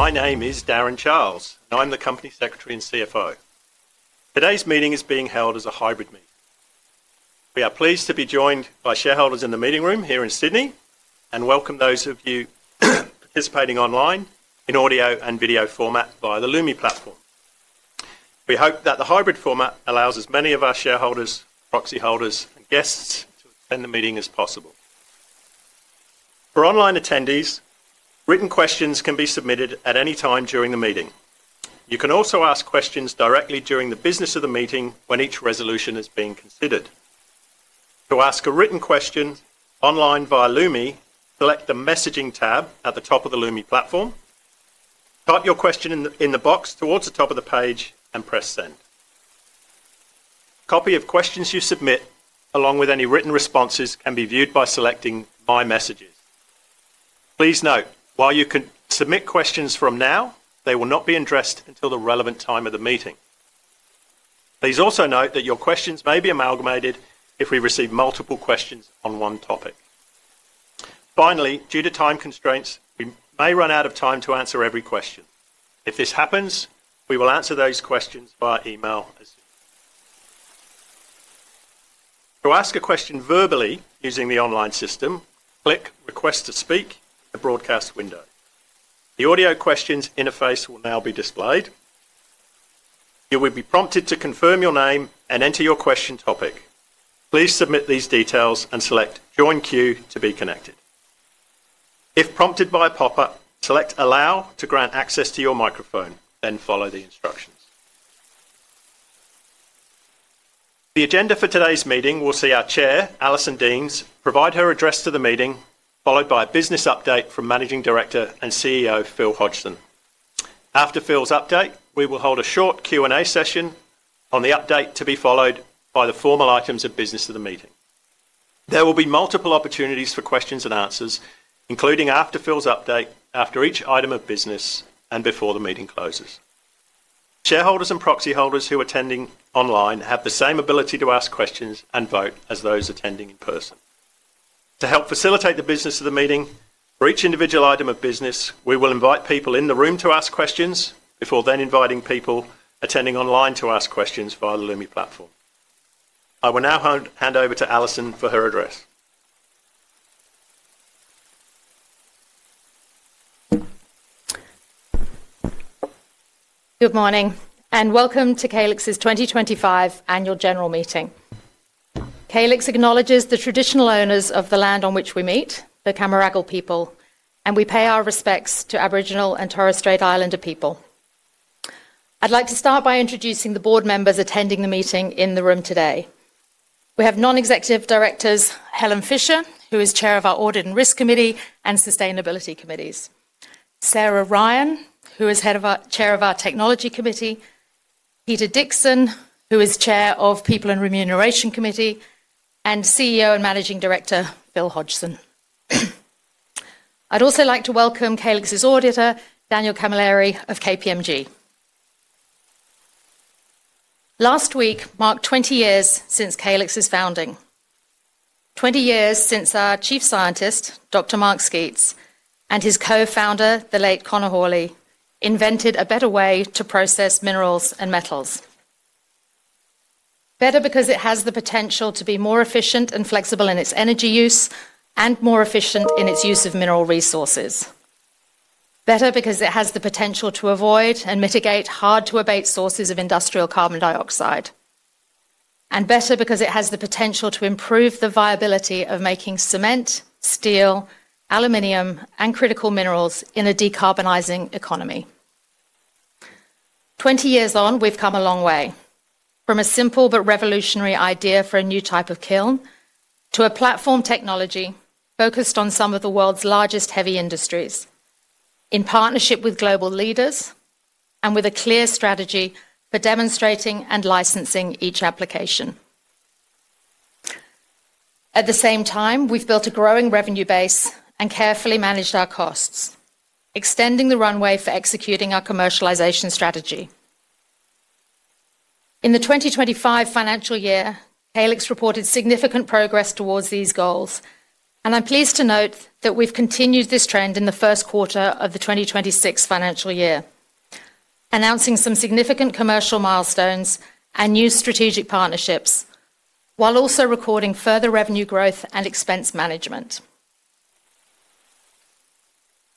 My name is Darren Charles, and I'm the Company Secretary and CFO. Today's meeting is being held as a hybrid meeting. We are pleased to be joined by shareholders in the meeting room here in Sydney and welcome those of you participating online in audio and video format via the LUMI platform. We hope that the hybrid format allows as many of our shareholders, proxy holders, and guests to attend the meeting as possible. For online attendees, written questions can be submitted at any time during the meeting. You can also ask questions directly during the business of the meeting when each resolution is being considered. To ask a written question online via LUMI, select the messaging tab at the top of the LUMI platform, type your question in the box towards the top of the page, and press send. A copy of questions you submit, along with any written responses, can be viewed by selecting my messages. Please note, while you can submit questions from now, they will not be addressed until the relevant time of the meeting. Please also note that your questions may be amalgamated if we receive multiple questions on one topic. Finally, due to time constraints, we may run out of time to answer every question. If this happens, we will answer those questions via email as soon as possible. To ask a question verbally using the online system, click request to speak in the broadcast window. The audio questions interface will now be displayed. You will be prompted to confirm your name and enter your question topic. Please submit these details and select Join queue to be connected. If prompted by a pop-up, select Allow to grant access to your microphone, then follow the instructions. The agenda for today's meeting will see our Chair, Alison Deans, provide her address to the meeting, followed by a business update from Managing Director and CEO Phil Hodgson. After Phil's update, we will hold a short Q&A session on the update to be followed by the formal items of business of the meeting. There will be multiple opportunities for questions and answers, including after Phil's update, after each item of business, and before the meeting closes. Shareholders and proxy holders who are attending online have the same ability to ask questions and vote as those attending in person. To help facilitate the business of the meeting, for each individual item of business, we will invite people in the room to ask questions before then inviting people attending online to ask questions via the LUMI platform. I will now hand over to Alison for her address. Good morning and welcome to Calix's 2025 Annual General Meeting. Calix acknowledges the traditional owners of the land on which we meet, the Cammeraygal people, and we pay our respects to Aboriginal and Torres Strait Islander people. I'd like to start by introducing the board members attending the meeting in the room today. We have non-executive directors, Helen Fisher, who is Chair of our Audit and Risk Committee and Sustainability Committees, Sarah Ryan, who is Chair of our Technology Committee, Peter Dickson, who is Chair of the People and Remuneration Committee, and CEO and Managing Director, Phil Hodgson. I'd also like to welcome Calix's Auditor, Daniel Camilleri of KPM G. Last week marked 20 years since Calix's founding, 20 years since our Chief Scientist, Dr. Mark Sceats, and his co-founder, the late Connor Hawley, invented a better way to process minerals and metals. Better because it has the potential to be more efficient and flexible in its energy use and more efficient in its use of mineral resources. Better because it has the potential to avoid and mitigate hard-to-abate sources of industrial carbon dioxide. Better because it has the potential to improve the viability of making cement, steel, aluminum, and critical minerals in a decarbonizing economy. Twenty years on, we've come a long way from a simple but revolutionary idea for a new type of kiln to a platform technology focused on some of the world's largest heavy industries, in partnership with global leaders and with a clear strategy for demonstrating and licensing each application. At the same time, we've built a growing revenue base and carefully managed our costs, extending the runway for executing our commercialization strategy. In the 2025 financial year, Calix reported significant progress towards these goals, and I'm pleased to note that we've continued this trend in the first quarter of the 2026 financial year, announcing some significant commercial milestones and new strategic partnerships, while also recording further revenue growth and expense management.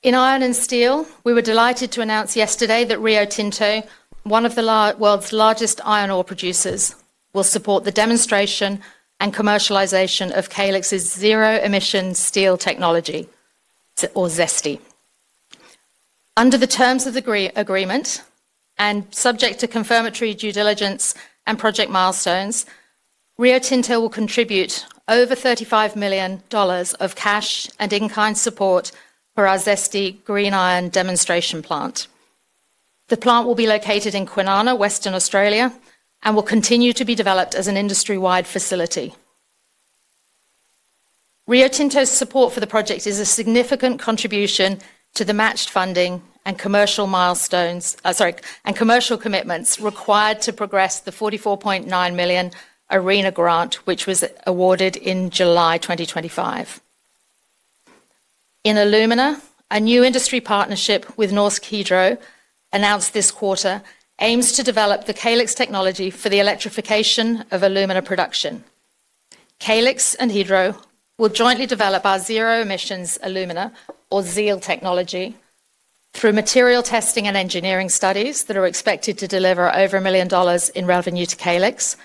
In Iron and Steel, we were delighted to announce yesterday that Rio Tinto, one of the world's largest iron ore producers, will support the demonstration and commercialization of Calix's zero-emission steel technology, or Zesty. Under the terms of the agreement and subject to confirmatory due diligence and project milestones, Rio Tinto will contribute over 35 million dollars of cash and in-kind support for our Zesty Green Iron demonstration plant. The plant will be located in Kwinana, Western Australia, and will continue to be developed as an industry-wide facility. Rio Tinto's support for the project is a significant contribution to the matched funding and commercial commitments required to progress the 44.9 million ARENA grant, which was awarded in July 2025. In alumina, a new industry partnership with Norsk Hydro, announced this quarter, aims to develop the Calix technology for the electrification of alumina production. Calix and Hydro will jointly develop our zero-emissions alumina, or ZEAL, technology through material testing and engineering studies that are expected to deliver over 1 million dollars in revenue to Calix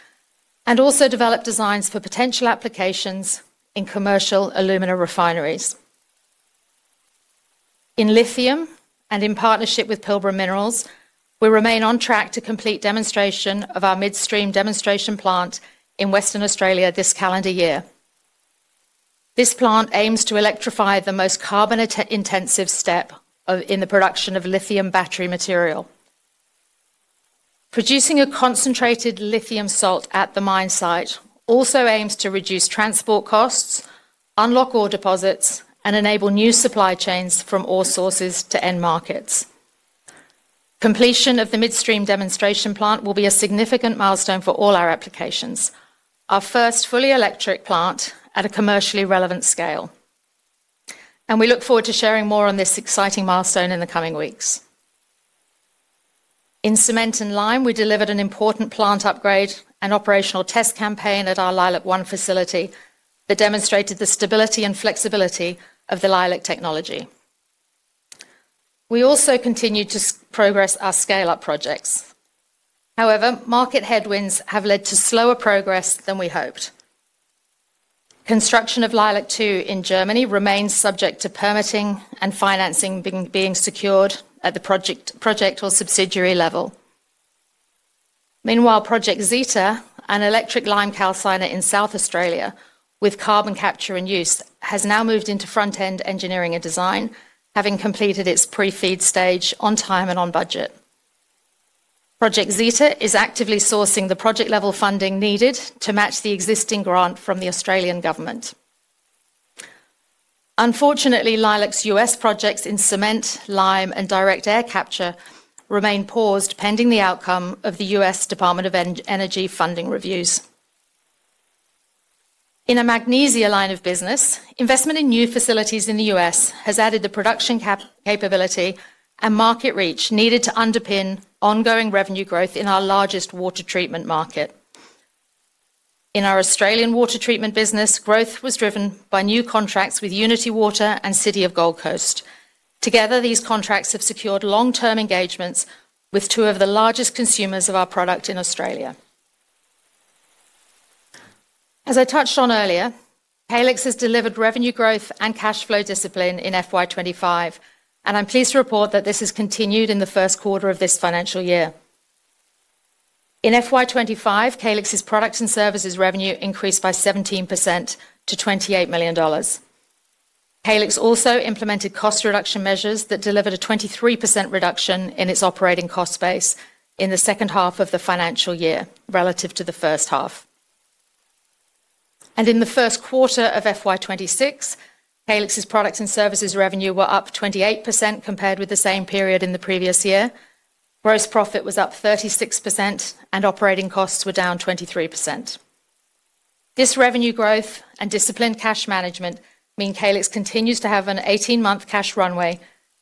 and also develop designs for potential applications in commercial alumina refineries. In lithium and in partnership with Pilbara Minerals, we remain on track to complete demonstration of our midstream demonstration plant in Western Australia this calendar year. This plant aims to electrify the most carbon-intensive step in the production of lithium battery material. Producing a concentrated lithium salt at the mine site also aims to reduce transport costs, unlock ore deposits, and enable new supply chains from ore sources to end markets. Completion of the midstream demonstration plant will be a significant milestone for all our applications, our first fully electric plant at a commercially relevant scale. We look forward to sharing more on this exciting milestone in the coming weeks. In cement and lime, we delivered an important plant upgrade and operational test campaign at our Leilac One facility that demonstrated the stability and flexibility of the Leilac technology. We also continued to progress our scale-up projects. However, market headwinds have led to slower progress than we hoped. Construction of Leilac Two in Germany remains subject to permitting and financing being secured at the project or subsidiary level. Meanwhile, Project Zeta, an electric lime calciner in South Australia with carbon capture and use, has now moved into front-end engineering and design, having completed its pre-feed stage on time and on budget. Project Zeta is actively sourcing the project-level funding needed to match the existing grant from the Australian government. Unfortunately, Leilac's U.S. projects in cement, lime, and direct air capture remain paused pending the outcome of the U.S. Department of Energy funding reviews. In a magnesia line of business, investment in new facilities in the U.S. has added the production capability and market reach needed to underpin ongoing revenue growth in our largest water treatment market. In our Australian water treatment business, growth was driven by new contracts with Unitywater and City of Gold Coast. Together, these contracts have secured long-term engagements with two of the largest consumers of our product in Australia. As I touched on earlier, Calix has delivered revenue growth and cash flow discipline in FY 2025, and I'm pleased to report that this has continued in the first quarter of this financial year. In FY 2025, Calix's products and services revenue increased by 17% to 28 million dollars. Calix also implemented cost reduction measures that delivered a 23% reduction in its operating cost base in the second half of the financial year relative to the first half. In the first quarter of FY 2026, Calix's products and services revenue were up 28% compared with the same period in the previous year. Gross profit was up 36%, and operating costs were down 23%. This revenue growth and disciplined cash management mean Calix continues to have an 18-month cash runway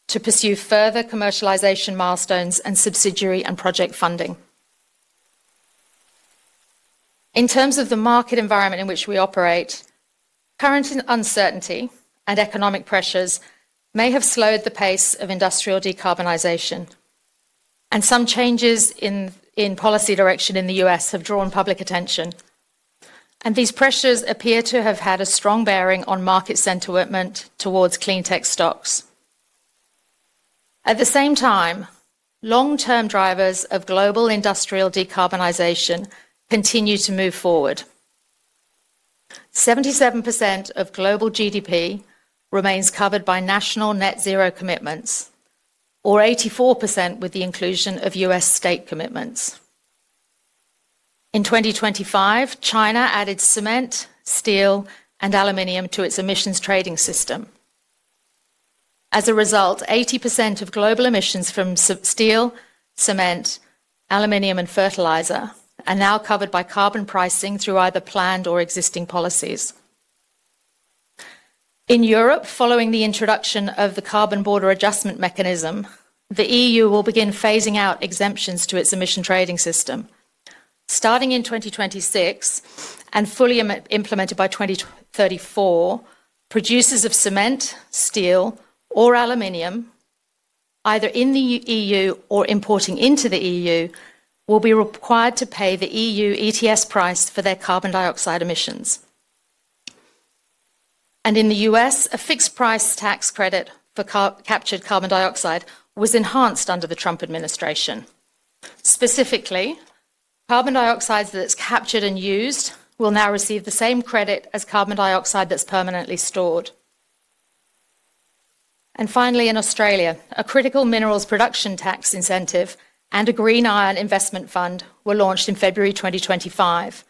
to pursue further commercialization milestones and subsidiary and project funding. In terms of the market environment in which we operate, current uncertainty and economic pressures may have slowed the pace of industrial decarbonization, and some changes in policy direction in the U.S. have drawn public attention. These pressures appear to have had a strong bearing on market sentiment towards clean tech stocks. At the same time, long-term drivers of global industrial decarbonization continue to move forward. 77% of global GDP remains covered by national net zero commitments, or 84% with the inclusion of U.S. state commitments. In 2025, China added cement, steel, and alumina to its emissions trading system. As a result, 80% of global emissions from steel, cement, alumina, and fertilizer are now covered by carbon pricing through either planned or existing policies. In Europe, following the introduction of the carbon border adjustment mechanism, the EU will begin phasing out exemptions to its emissions trading system. Starting in 2026 and fully implemented by 2034, producers of cement, steel, or aluminium, either in the EU or importing into the EU, will be required to pay the EU ETS price for their carbon dioxide emissions. In the U.S., a fixed price tax credit for captured carbon dioxide was enhanced under the Trump administration. Specifically, carbon dioxide that's captured and used will now receive the same credit as carbon dioxide that's permanently stored. Finally, in Australia, a critical minerals production tax incentive and a green iron investment fund were launched in February 2025.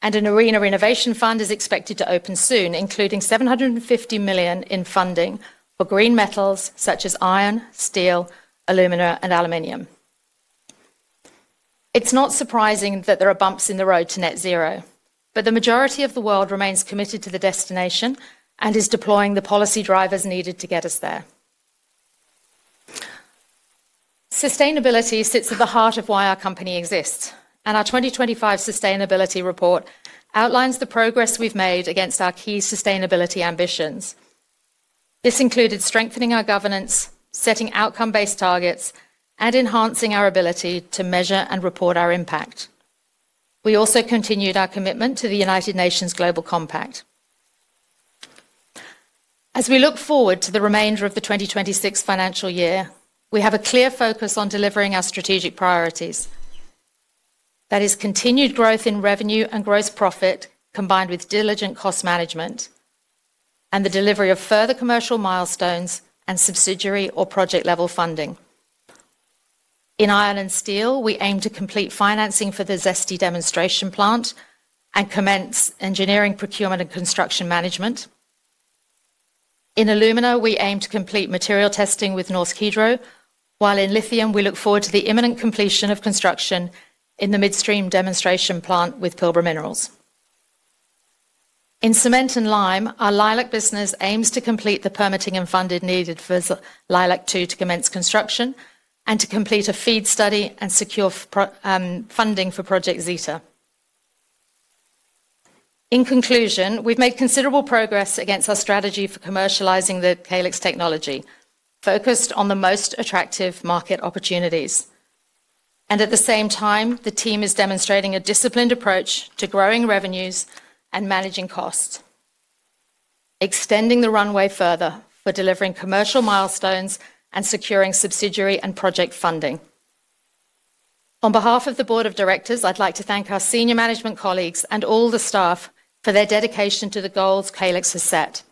An ARENA renovation fund is expected to open soon, including 750 million in funding for green metals such as iron, steel, alumina, and aluminium. It's not surprising that there are bumps in the road to net zero, but the majority of the world remains committed to the destination and is deploying the policy drivers needed to get us there. Sustainability sits at the heart of why our company exists, and our 2025 sustainability report outlines the progress we've made against our key sustainability ambitions. This included strengthening our governance, setting outcome-based targets, and enhancing our ability to measure and report our impact. We also continued our commitment to the United Nations Global Compact. As we look forward to the remainder of the 2026 financial year, we have a clear focus on delivering our strategic priorities. That is continued growth in revenue and gross profit combined with diligent cost management and the delivery of further commercial milestones and subsidiary or project-level funding. In iron and steel, we aim to complete financing for the Zesty demonstration plant and commence engineering, procurement, and construction management. In alumina, we aim to complete material testing with Norsk Hydro, while in lithium, we look forward to the imminent completion of construction in the midstream demonstration plant with Pilbara Minerals. In cement and lime, our Leilac business aims to complete the permitting and funding needed for Leilac Two to commence construction and to complete a feed study and secure funding for Project Zeta. In conclusion, we have made considerable progress against our strategy for commercializing the Calix technology, focused on the most attractive market opportunities. At the same time, the team is demonstrating a disciplined approach to growing revenues and managing costs, extending the runway further for delivering commercial milestones and securing subsidiary and project funding. On behalf of the board of directors, I'd like to thank our senior management colleagues and all the staff for their dedication to the goals Calix has set.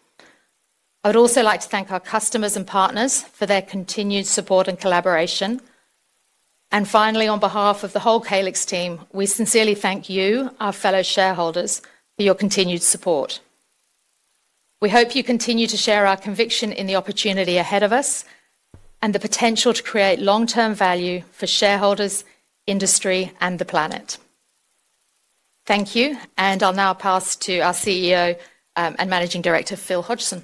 I'd also like to thank our customers and partners for their continued support and collaboration. Finally, on behalf of the whole Calix team, we sincerely thank you, our fellow shareholders, for your continued support. We hope you continue to share our conviction in the opportunity ahead of us and the potential to create long-term value for shareholders, industry, and the planet. Thank you, and I'll now pass to our CEO and Managing Director, Phil Hodgson.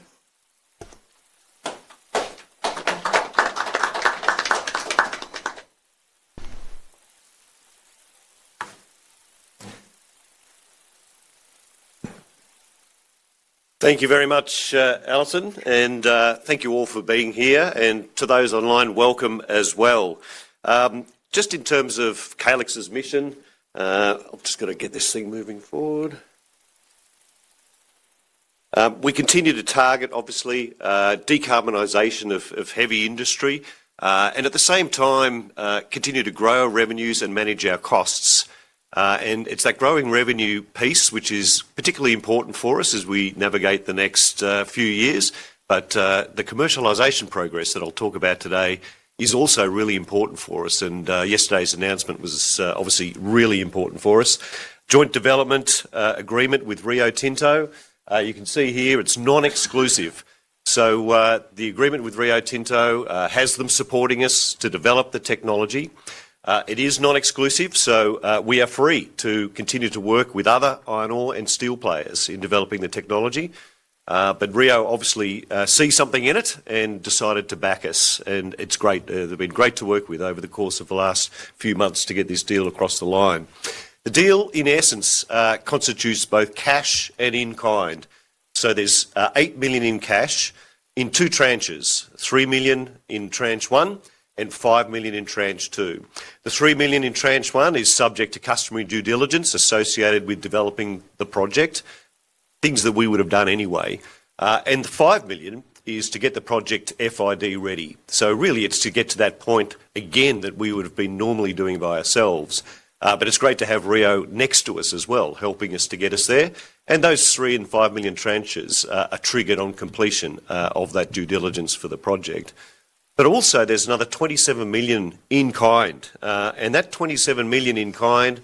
Thank you very much, Alison, and thank you all for being here. To those online, welcome as well. Just in terms of Calix's mission, I'm just going to get this thing moving forward. We continue to target, obviously, decarbonization of heavy industry and at the same time continue to grow our revenues and manage our costs. It is that growing revenue piece which is particularly important for us as we navigate the next few years. The commercialization progress that I'll talk about today is also really important for us. Yesterday's announcement was obviously really important for us. Joint development agreement with Rio Tinto. You can see here it is non-exclusive. The agreement with Rio Tinto has them supporting us to develop the technology. It is non-exclusive, so we are free to continue to work with other iron ore and steel players in developing the technology. Rio obviously sees something in it and decided to back us. It is great. They have been great to work with over the course of the last few months to get this deal across the line. The deal, in essence, constitutes both cash and in-kind. So there's 8 million in cash in two tranches, 3 million in tranche one and 5 million in tranche two. The 3 million in tranche one is subject to customary due diligence associated with developing the project, things that we would have done anyway. And the 5 million is to get the project FID ready. So really, it's to get to that point again that we would have been normally doing by ourselves. But it's great to have Rio next to us as well, helping us to get us there. And those 3 million and 5 million tranches are triggered on completion of that due diligence for the project. But also, there's another 27 million in-kind. That 27 million in-kind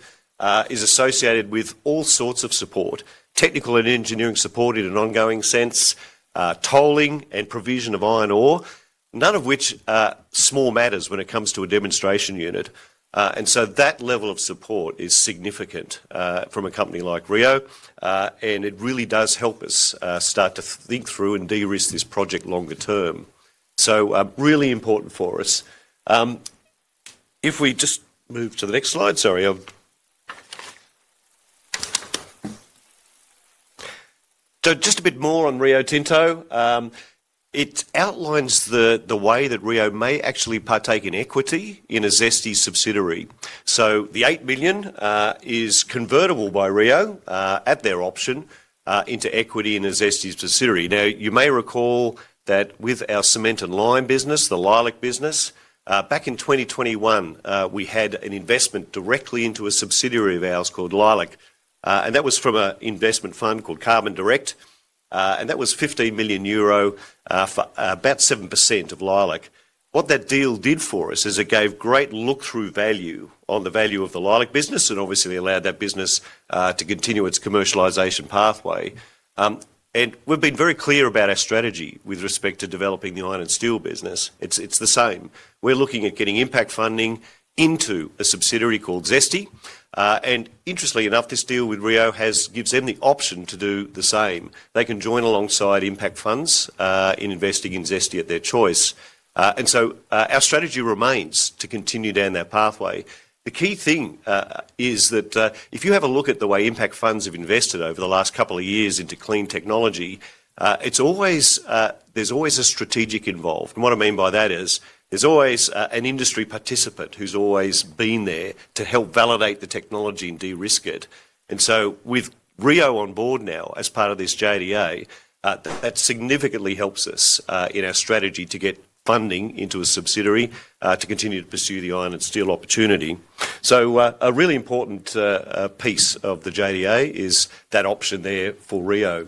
is associated with all sorts of support, technical and engineering support in an ongoing sense, tolling and provision of iron ore, none of which are small matters when it comes to a demonstration unit. That level of support is significant from a company like Rio Tinto. It really does help us start to think through and de-risk this project longer term. Really important for us. If we just move to the next slide, sorry. A bit more on Rio Tinto. It outlines the way that Rio Tinto may actually partake in equity in a Zesty subsidiary. The 8 million is convertible by Rio Tinto, at their option, into equity in a Zesty subsidiary. Now, you may recall that with our cement and lime business, the Leilac business, back in 2021, we had an investment directly into a subsidiary of ours called Leilac. That was from an investment fund called Carbon Direct. That was 15 million euro, about 7% of Leilac. What that deal did for us is it gave great look-through value on the value of the Leilac business and obviously allowed that business to continue its commercialization pathway. We have been very clear about our strategy with respect to developing the iron and steel business. It is the same. We are looking at getting impact funding into a subsidiary called Zesty. Interestingly enough, this deal with Rio gives them the option to do the same. They can join alongside impact funds in investing in Zesty at their choice. Our strategy remains to continue down that pathway. The key thing is that if you have a look at the way impact funds have invested over the last couple of years into clean technology, there's always a strategic involved. What I mean by that is there's always an industry participant who's always been there to help validate the technology and de-risk it. With Rio on board now as part of this JDA, that significantly helps us in our strategy to get funding into a subsidiary to continue to pursue the iron and steel opportunity. A really important piece of the JDA is that option there for Rio.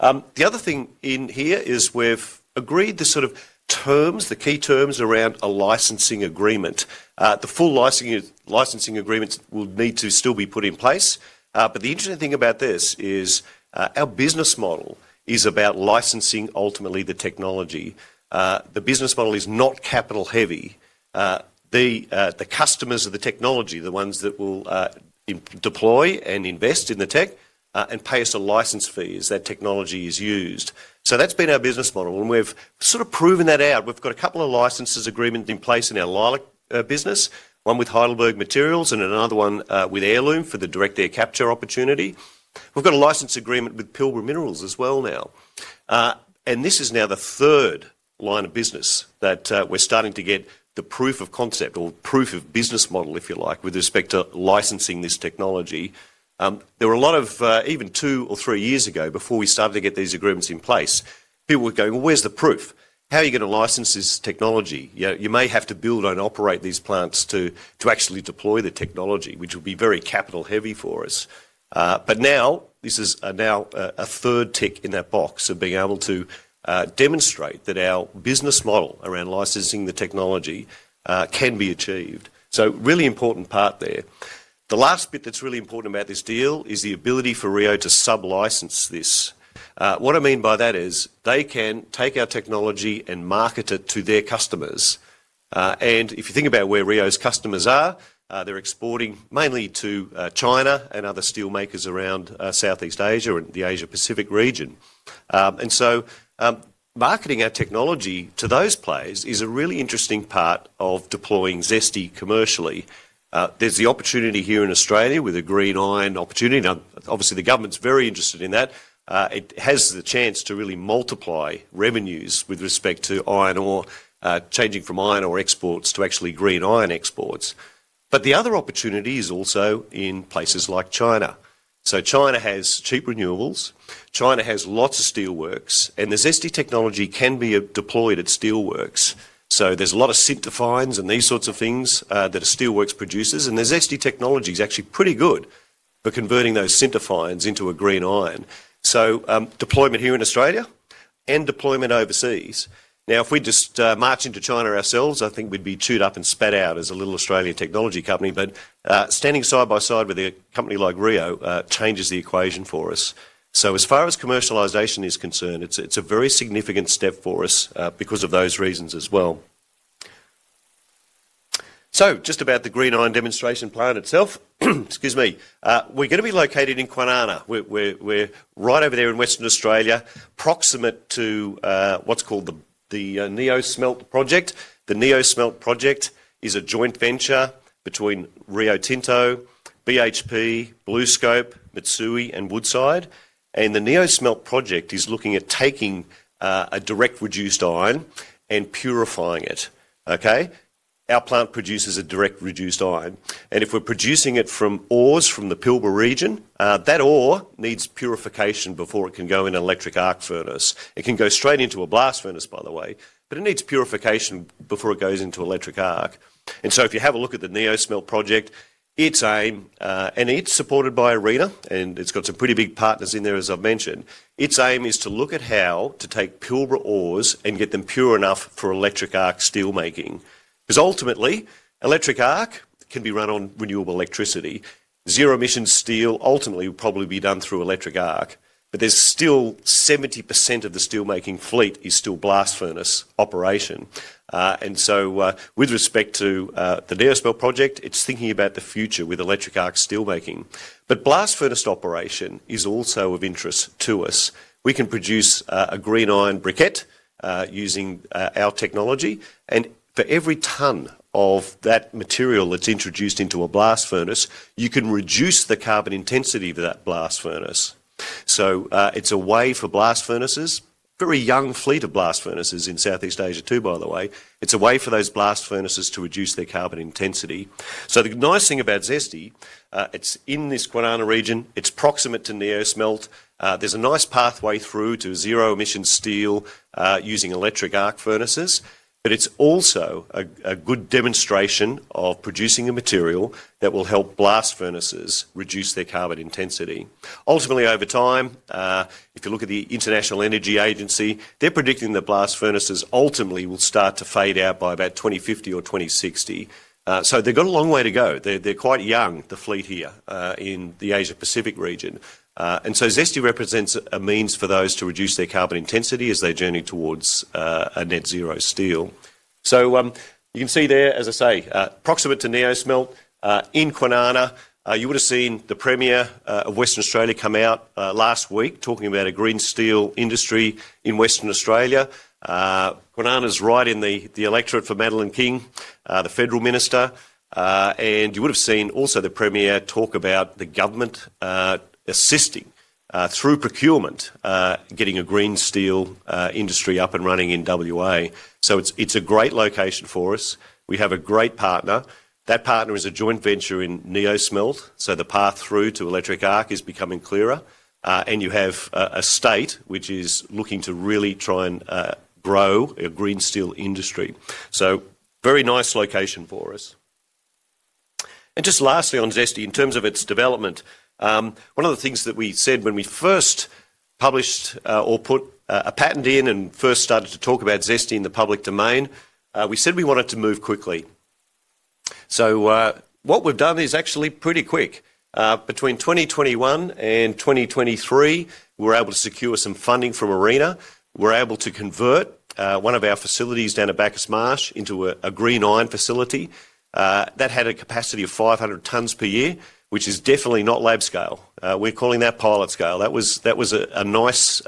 The other thing in here is we've agreed the sort of terms, the key terms around a licensing agreement. The full licensing agreements will need to still be put in place. The interesting thing about this is our business model is about licensing, ultimately, the technology. The business model is not capital-heavy. The customers of the technology, the ones that will deploy and invest in the tech and pay us a license fee as that technology is used. That has been our business model. We have sort of proven that out. We have got a couple of license agreements in place in our Leilac business, one with Heidelberg Materials and another one with Heirloom for the direct air capture opportunity. We have got a license agreement with Pilbara Minerals as well now. This is now the third line of business that we are starting to get the proof of concept or proof of business model, if you like, with respect to licensing this technology. There were a lot of, even two or three years ago, before we started to get these agreements in place, people were going, "Well, where's the proof? How are you going to license this technology? You may have to build and operate these plants to actually deploy the technology, which would be very capital-heavy for us. This is now a third tick in that box of being able to demonstrate that our business model around licensing the technology can be achieved. A really important part there. The last bit that's really important about this deal is the ability for Rio to sublicense this. What I mean by that is they can take our technology and market it to their customers. If you think about where Rio's customers are, they're exporting mainly to China and other steel makers around Southeast Asia and the Asia-Pacific region. Marketing our technology to those players is a really interesting part of deploying Zesty commercially. There's the opportunity here in Australia with a green iron opportunity. Now, obviously, the government's very interested in that. It has the chance to really multiply revenues with respect to iron ore, changing from iron ore exports to actually green iron exports. The other opportunity is also in places like China. China has cheap renewables. China has lots of steelworks. The Zesty technology can be deployed at steelworks. There is a lot of sinter fines and these sorts of things that are steelworks producers. The Zesty technology is actually pretty good for converting those sinter fines into a green iron. Deployment here in Australia and deployment overseas. Now, if we just march into China ourselves, I think we'd be chewed up and spat out as a little Australian technology company. Standing side by side with a company like Rio changes the equation for us. As far as commercialization is concerned, it's a very significant step for us because of those reasons as well. Just about the green iron demonstration plant itself, excuse me, we're going to be located in Kwinana. We're right over there in Western Australia, proximate to what's called the NeoSmelt project. The NeoSmelt project is a joint venture between Rio Tinto, BHP, BlueScope, Mitsui, and Woodside. The NeoSmelt project is looking at taking a direct reduced iron and purifying it. Okay? Our plant produces a direct reduced iron. If we're producing it from ores from the Pilbara region, that ore needs purification before it can go in an electric arc furnace. It can go straight into a blast furnace, by the way, but it needs purification before it goes into electric arc. If you have a look at the NeoSmelt project, its aim—and it is supported by ARENA, and it has some pretty big partners in there, as I have mentioned—its aim is to look at how to take Pilbara ores and get them pure enough for electric arc steelmaking. Because ultimately, electric arc can be run on renewable electricity. Zero-emission steel ultimately will probably be done through electric arc. There is still 70% of the steelmaking fleet that is still blast furnace operation. With respect to the NeoSmelt project, it is thinking about the future with electric arc steelmaking. Blast furnace operation is also of interest to us. We can produce a green iron briquette using our technology. For every ton of that material that is introduced into a blast furnace, you can reduce the carbon intensity of that blast furnace. It's a way for blast furnaces—a very young fleet of blast furnaces in Southeast Asia too, by the way. It's a way for those blast furnaces to reduce their carbon intensity. The nice thing about Zesty, it's in this Kwinana region. It's proximate to NeoSmelt. There's a nice pathway through to zero-emission steel using electric arc furnaces. It's also a good demonstration of producing a material that will help blast furnaces reduce their carbon intensity. Ultimately, over time, if you look at the International Energy Agency, they're predicting that blast furnaces ultimately will start to fade out by about 2050 or 2060. They've got a long way to go. They're quite young, the fleet here in the Asia-Pacific region. Zesty represents a means for those to reduce their carbon intensity as they journey towards a net zero steel. You can see there, as I say, proximate to NeoSmelt in Kwinana. You would have seen the Premier of Western Australia come out last week talking about a green steel industry in Western Australia. Kwinana is right in the electorate for Madeleine King, the Federal Minister. You would have seen also the Premier talk about the government assisting through procurement, getting a green steel industry up and running in WA. It is a great location for us. We have a great partner. That partner is a joint venture in NeoSmelt. The path through to electric arc is becoming clearer. You have a state which is looking to really try and grow a green steel industry. Very nice location for us. Lastly on Zesty, in terms of its development, one of the things that we said when we first published or put a patent in and first started to talk about Zesty in the public domain, we said we wanted to move quickly. What we have done is actually pretty quick. Between 2021 and 2023, we were able to secure some funding from ARENA. We were able to convert one of our facilities down at Bacchus Marsh into a green iron facility. That had a capacity of 500 tons per year, which is definitely not lab scale. We are calling that pilot scale. That was a nice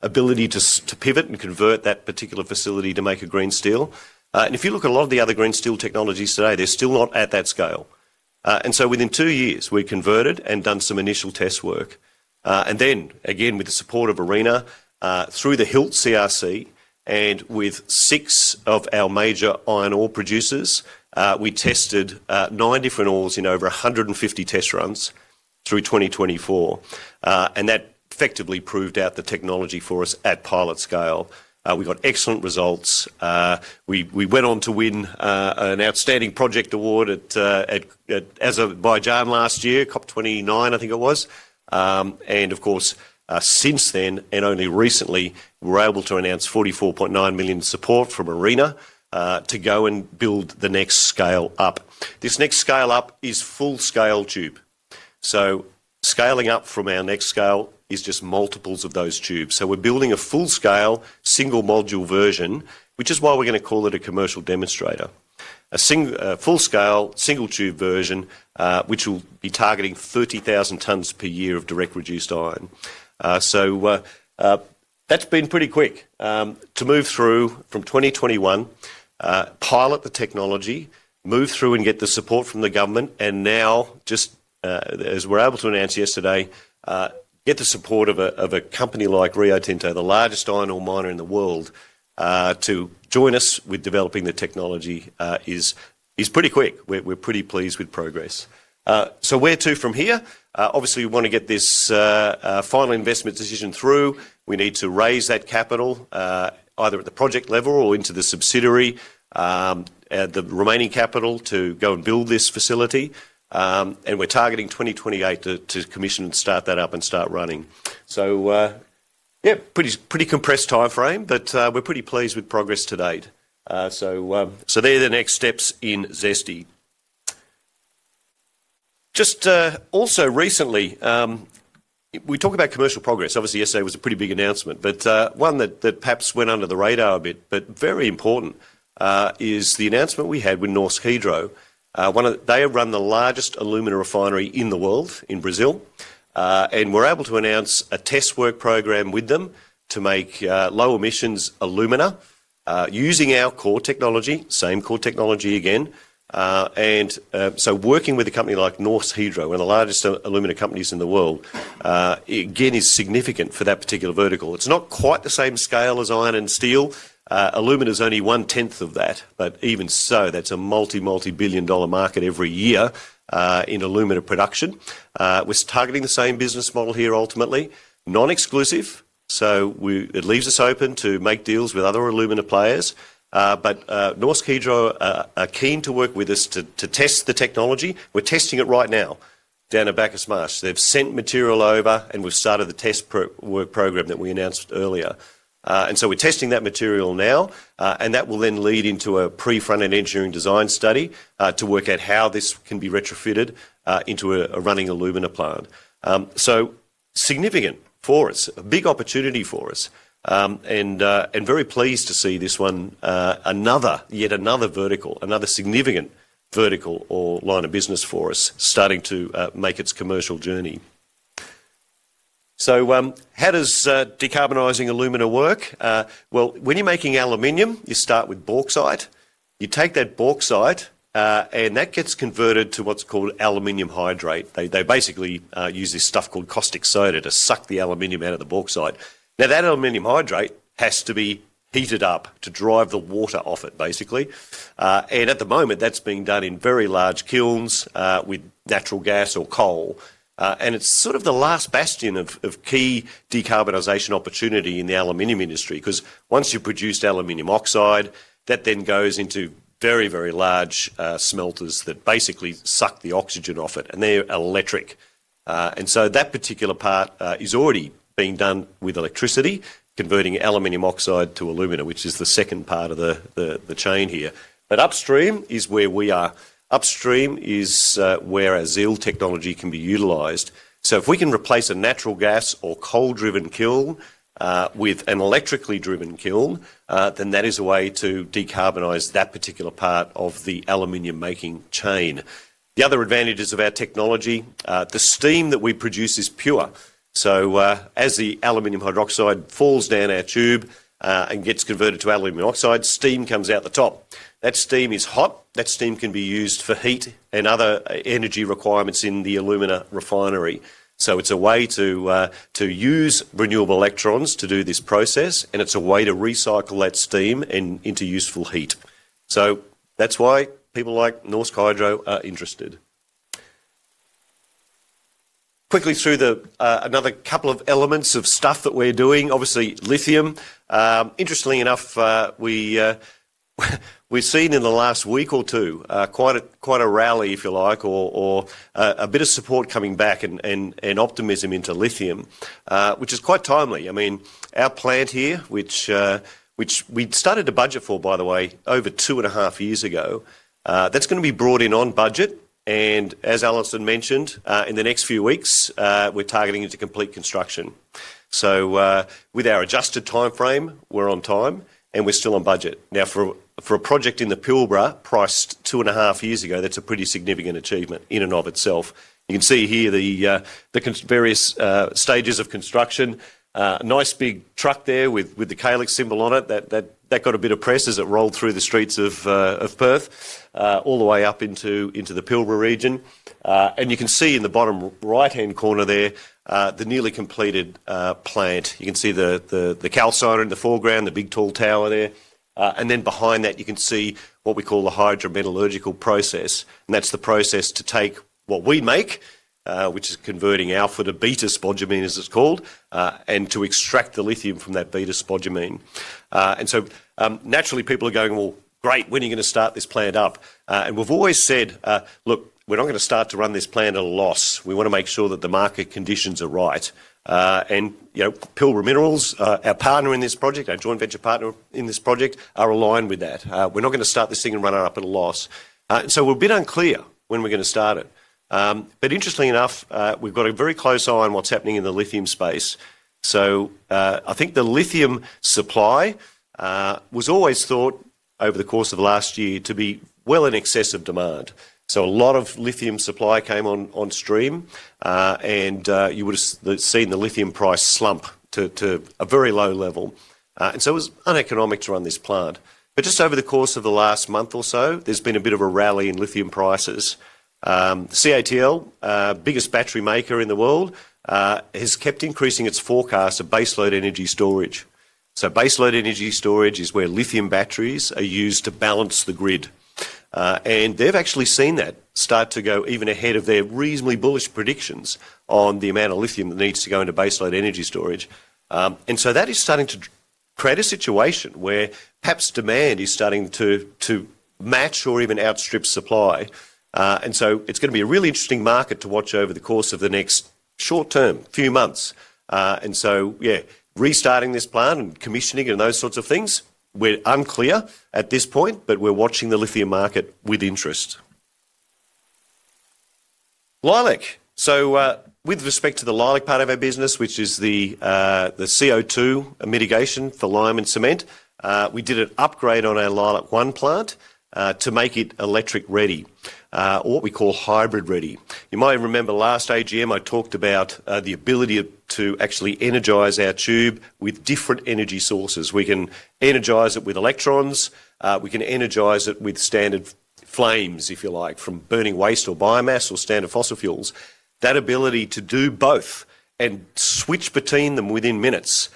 ability to pivot and convert that particular facility to make a green steel. If you look at a lot of the other green steel technologies today, they are still not at that scale. Within two years, we converted and done some initial test work. Then, again, with the support of ARENA, through the HILT CRC and with six of our major iron ore producers, we tested nine different ores in over 150 test runs through 2024. That effectively proved out the technology for us at pilot scale. We got excellent results. We went on to win an outstanding project award by January last year, COP29, I think it was. Of course, since then and only recently, we were able to announce 44.9 million support from ARENA to go and build the next scale up. This next scale up is full-scale tube. Scaling up from our next scale is just multiples of those tubes. We are building a full-scale, single-module version, which is why we are going to call it a commercial demonstrator. A full-scale, single-tube version, which will be targeting 30,000 tons per year of direct reduced iron. That has been pretty quick to move through from 2021, pilot the technology, move through and get the support from the government, and now, just as we were able to announce yesterday, get the support of a company like Rio Tinto, the largest iron ore miner in the world, to join us with developing the technology is pretty quick. We are pretty pleased with progress. Where to from here? Obviously, we want to get this final investment decision through. We need to raise that capital, either at the project level or into the subsidiary, the remaining capital to go and build this facility. We are targeting 2028 to commission and start that up and start running. Pretty compressed time frame, but we are pretty pleased with progress to date. They're the next steps in Zesty. Also, recently, we talk about commercial progress. Obviously, yesterday was a pretty big announcement. One that perhaps went under the radar a bit, but very important, is the announcement we had with Norsk Hydro. They run the largest aluminum refinery in the world, in Brazil. We were able to announce a test work program with them to make low-emissions aluminum using our core technology, same core technology again. Working with a company like Norsk Hydro, one of the largest aluminum companies in the world, again, is significant for that particular vertical. It's not quite the same scale as iron and steel. Aluminum is only one-tenth of that. Even so, that's a multi, multi-billion-dollar market every year in aluminum production. We're targeting the same business model here, ultimately. Non-exclusive. It leaves us open to make deals with other aluminum players. Norsk Hydro are keen to work with us to test the technology. We are testing it right now down at Bacchus Marsh. They have sent material over, and we have started the test work program that we announced earlier. We are testing that material now. That will then lead into a pre-front-end engineering design study to work out how this can be retrofitted into a running aluminum plant. Significant for us, a big opportunity for us. Very pleased to see this one, yet another vertical, another significant vertical or line of business for us starting to make its commercial journey. How does decarbonizing aluminum work? When you are making aluminum, you start with bauxite. You take that bauxite, and that gets converted to what is called aluminum hydrate. They basically use this stuff called caustic soda to suck the aluminum out of the bauxite. Now, that aluminum hydrate has to be heated up to drive the water off it, basically. At the moment, that's being done in very large kilns with natural gas or coal. It is sort of the last bastion of key decarbonization opportunity in the aluminum industry because once you've produced aluminum oxide, that then goes into very, very large smelters that basically suck the oxygen off it. They're electric. That particular part is already being done with electricity, converting aluminum oxide to aluminum, which is the second part of the chain here. Upstream is where we are. Upstream is where our ZEAL technology can be utilized. If we can replace a natural gas or coal-driven kiln with an electrically driven kiln, then that is a way to decarbonize that particular part of the aluminum-making chain. The other advantages of our technology, the steam that we produce is pure. As the aluminum hydroxide falls down our tube and gets converted to aluminum oxide, steam comes out the top. That steam is hot. That steam can be used for heat and other energy requirements in the aluminum refinery. It is a way to use renewable electrons to do this process. It is a way to recycle that steam into useful heat. That is why people like Norsk Hydro are interested. Quickly through another couple of elements of stuff that we are doing, obviously, lithium. Interestingly enough, we've seen in the last week or two quite a rally, if you like, or a bit of support coming back and optimism into lithium, which is quite timely. I mean, our plant here, which we started a budget for, by the way, over two and a half years ago, that's going to be brought in on budget. As Alison mentioned, in the next few weeks, we're targeting it to complete construction. With our adjusted time frame, we're on time, and we're still on budget. Now, for a project in the Pilbara priced two and a half years ago, that's a pretty significant achievement in and of itself. You can see here the various stages of construction. Nice big truck there with the Calix symbol on it. That got a bit of press as it rolled through the streets of Perth all the way up into the Pilbara region. You can see in the bottom right-hand corner there the nearly completed plant. You can see the calciner in the foreground, the big tall tower there. Behind that, you can see what we call the hydrometallurgical process. That is the process to take what we make, which is converting alpha to beta spodumene, as it's called, and to extract the lithium from that beta spodumene. Naturally, people are going, "Well, great. When are you going to start this plant up?" We've always said, "Look, we're not going to start to run this plant at a loss. We want to make sure that the market conditions are right. Pilbara Minerals, our partner in this project, our joint venture partner in this project, are aligned with that. We're not going to start this thing and run it up at a loss. We're a bit unclear when we're going to start it. Interestingly enough, we've got a very close eye on what's happening in the lithium space. I think the lithium supply was always thought over the course of last year to be well in excess of demand. A lot of lithium supply came on stream. You would have seen the lithium price slump to a very low level. It was uneconomic to run this plant. Just over the course of the last month or so, there's been a bit of a rally in lithium prices. CATL, biggest battery maker in the world, has kept increasing its forecast of base load energy storage. Base load energy storage is where lithium batteries are used to balance the grid. They have actually seen that start to go even ahead of their reasonably bullish predictions on the amount of lithium that needs to go into base load energy storage. That is starting to create a situation where perhaps demand is starting to match or even outstrip supply. It is going to be a really interesting market to watch over the course of the next short term, few months. Restarting this plant and commissioning it and those sorts of things, we are unclear at this point, but we are watching the lithium market with interest. Leilac. With respect to the Leilac part of our business, which is the CO2 mitigation for lime and cement, we did an upgrade on our Leilac One plant to make it electric-ready, or what we call hybrid-ready. You might remember last AGM, I talked about the ability to actually energize our tube with different energy sources. We can energize it with electrons. We can energize it with standard flames, if you like, from burning waste or biomass or standard fossil fuels. That ability to do both and switch between them within minutes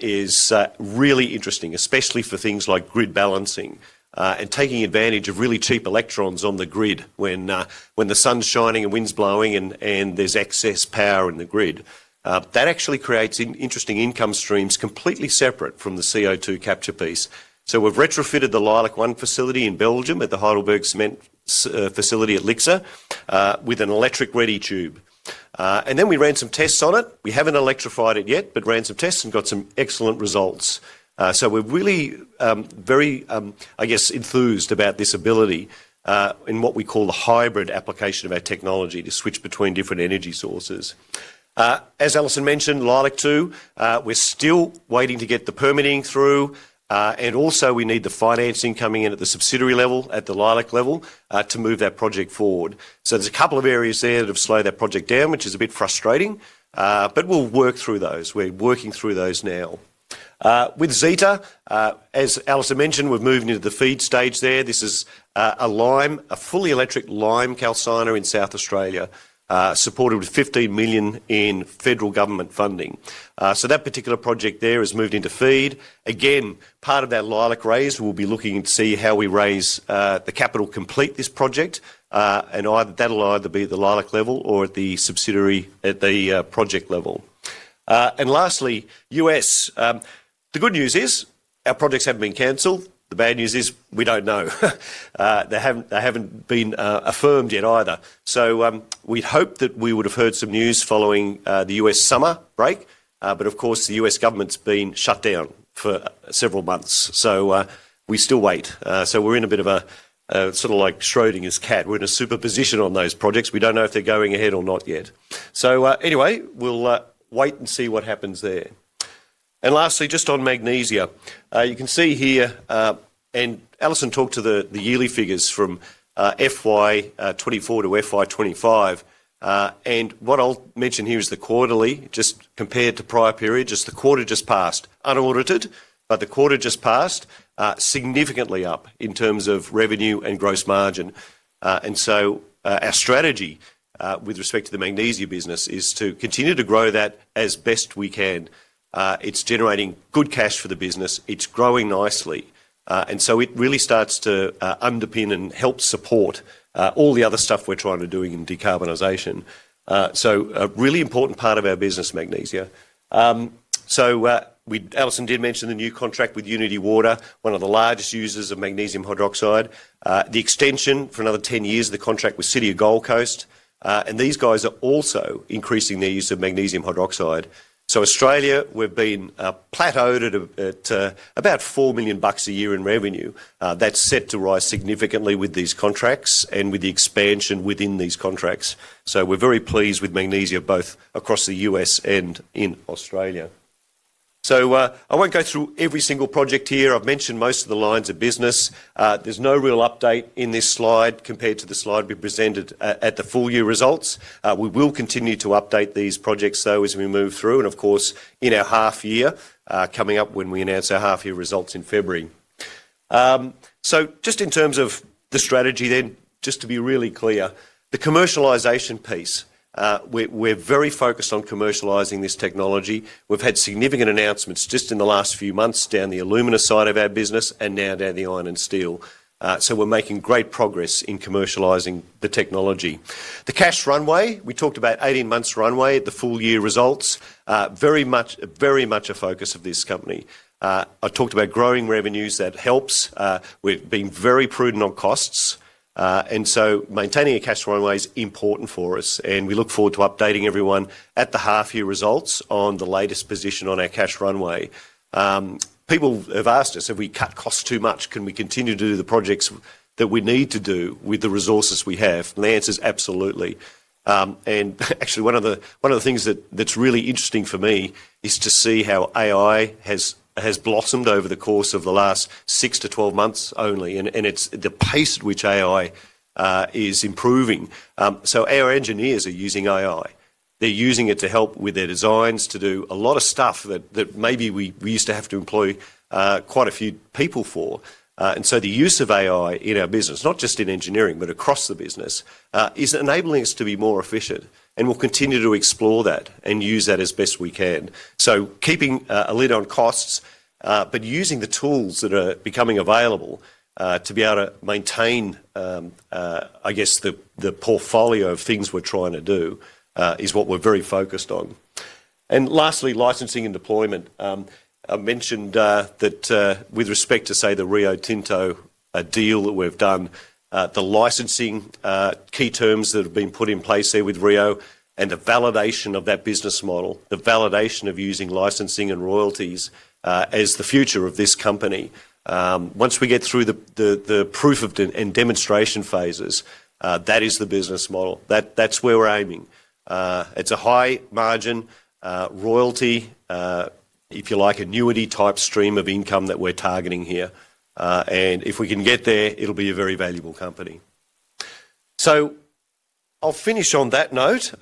is really interesting, especially for things like grid balancing and taking advantage of really cheap electrons on the grid when the sun's shining and wind's blowing and there's excess power in the grid. That actually creates interesting income streams completely separate from the CO2 capture piece. We've retrofitted the Leilac One facility in Belgium at the Heidelberg Materials facility at Lixor with an electric-ready tube. Then we ran some tests on it. We haven't electrified it yet, but ran some tests and got some excellent results. We're really very, I guess, enthused about this ability in what we call the hybrid application of our technology to switch between different energy sources. As Alison mentioned, Leilac Two, we're still waiting to get the permitting through. Also, we need the financing coming in at the subsidiary level, at the Leilac level, to move that project forward. There's a couple of areas there that have slowed that project down, which is a bit frustrating. We'll work through those. We're working through those now. With Zeta, as Alison mentioned, we've moved into the feed stage there. This is a fully electric lime calciner in South Australia, supported with 15 million in federal government funding. That particular project there has moved into feed. Again, part of that Leilac raise, we'll be looking to see how we raise the capital to complete this project. That'll either be at the Leilac level or at the subsidiary at the project level. Lastly, U.S. The good news is our projects haven't been canceled. The bad news is we don't know. They haven't been affirmed yet either. We'd hope that we would have heard some news following the U.S. summer break. Of course, the U.S. government's been shut down for several months. We still wait. We're in a bit of a sort of like Schrödinger's cat. We're in a superposition on those projects. We don't know if they're going ahead or not yet. Anyway, we'll wait and see what happens there. Lastly, just on magnesia. You can see here, and Alison talked to the yearly figures from FY 2024 to FY 2025. What I'll mention here is the quarterly, just compared to prior period, just the quarter just passed. Unaudited, but the quarter just passed, significantly up in terms of revenue and gross margin. Our strategy with respect to the magnesia business is to continue to grow that as best we can. It's generating good cash for the business. It's growing nicely. It really starts to underpin and help support all the other stuff we're trying to do in decarbonization. A really important part of our business, magnesia. Alison did mention the new contract with Unity Water, one of the largest users of magnesium hydroxide. The extension for another 10 years, the contract with City of Gold Coast. And these guys are also increasing their use of magnesium hydroxide. Australia, we've been plateaued at about 4 million bucks a year in revenue. That's set to rise significantly with these contracts and with the expansion within these contracts. We're very pleased with magnesia both across the U.S. and in Australia. I won't go through every single project here. I've mentioned most of the lines of business. There's no real update in this slide compared to the slide we presented at the full year results. We will continue to update these projects though as we move through. Of course, in our half year coming up when we announce our half year results in February. Just in terms of the strategy then, just to be really clear, the commercialization piece, we're very focused on commercializing this technology. We've had significant announcements just in the last few months down the aluminum side of our business and now down the iron and steel. We're making great progress in commercializing the technology. The cash runway, we talked about 18 months runway at the full year results. Very much a focus of this company. I talked about growing revenues. That helps. We've been very prudent on costs. Maintaining a cash runway is important for us. We look forward to updating everyone at the half year results on the latest position on our cash runway. People have asked us, "Have we cut costs too much? Can we continue to do the projects that we need to do with the resources we have? The answer is absolutely. Actually, one of the things that's really interesting for me is to see how AI has blossomed over the course of the last six to 12 months only. It's the pace at which AI is improving. Our engineers are using AI. They're using it to help with their designs, to do a lot of stuff that maybe we used to have to employ quite a few people for. The use of AI in our business, not just in engineering, but across the business, is enabling us to be more efficient. We'll continue to explore that and use that as best we can. Keeping a lid on costs, but using the tools that are becoming available to be able to maintain, I guess, the portfolio of things we're trying to do is what we're very focused on. Lastly, licensing and deployment. I mentioned that with respect to, say, the Rio Tinto deal that we've done, the licensing key terms that have been put in place here with Rio and the validation of that business model, the validation of using licensing and royalties as the future of this company. Once we get through the proof of and demonstration phases, that is the business model. That's where we're aiming. It's a high margin, royalty, if you like, annuity type stream of income that we're targeting here. If we can get there, it'll be a very valuable company. I'll finish on that note.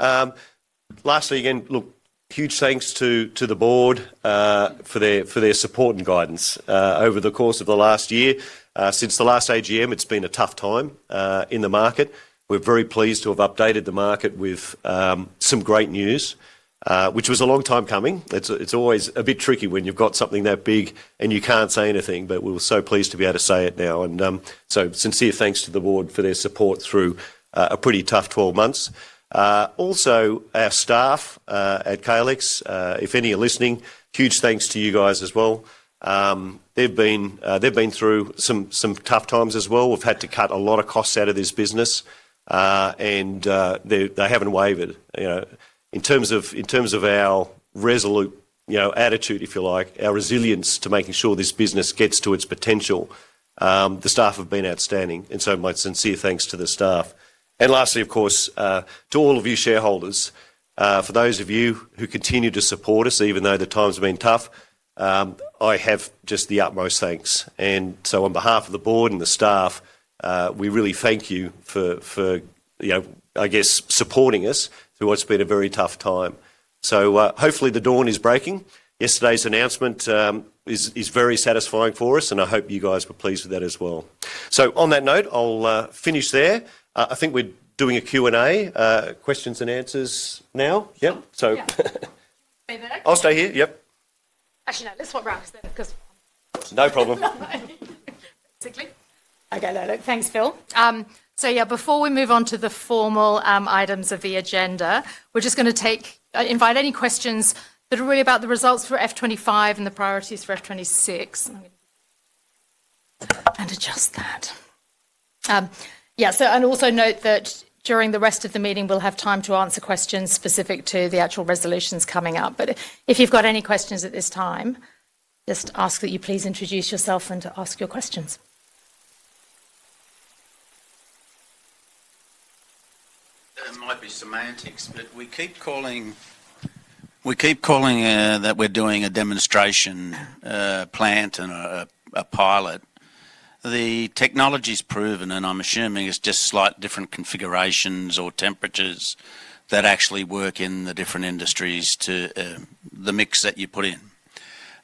Lastly, again, look, huge thanks to the board for their support and guidance over the course of the last year. Since the last AGM, it's been a tough time in the market. We're very pleased to have updated the market with some great news, which was a long time coming. It's always a bit tricky when you've got something that big and you can't say anything, but we were so pleased to be able to say it now. Sincere thanks to the board for their support through a pretty tough 12 months. Also, our staff at Calix, if any are listening, huge thanks to you guys as well. They've been through some tough times as well. We've had to cut a lot of costs out of this business, and they haven't wavered. In terms of our resolute attitude, if you like, our resilience to making sure this business gets to its potential, the staff have been outstanding. My sincere thanks to the staff. Lastly, of course, to all of you shareholders, for those of you who continue to support us, even though the times have been tough, I have just the utmost thanks. On behalf of the board and the staff, we really thank you for, I guess, supporting us through what's been a very tough time. Hopefully the dawn is breaking. Yesterday's announcement is very satisfying for us, and I hope you guys were pleased with that as well. On that note, I'll finish there. I think we're doing a Q&A, questions and answers now. Yep. I'll stay here. Yep. Actually, no, let's swap round because. No problem. Okay. Thanks, Phil. Yeah, before we move on to the formal items of the agenda, we're just going to invite any questions that are really about the results for FY 2025 and the priorities for FY 2026. Also, note that during the rest of the meeting, we'll have time to answer questions specific to the actual resolutions coming up. If you've got any questions at this time, just ask that you please introduce yourself and ask your questions. There might be semantics, but we keep calling that we're doing a demonstration plant and a pilot. The technology's proven, and I'm assuming it's just slight different configurations or temperatures that actually work in the different industries to the mix that you put in.